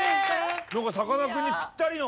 何かさかなクンにぴったりの。